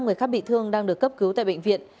một người khác bị thương đang được cấp cứu tại bệnh viện